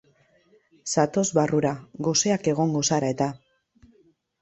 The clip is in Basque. Zatoz barrura, goseak egongo zara eta.